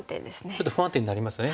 ちょっと不安定になりますね。